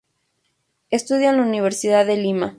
Estudia en la Universidad de Lima.